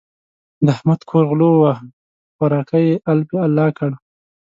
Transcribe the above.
د احمد کور غلو وواهه؛ خوراکی يې الپی الا کړ.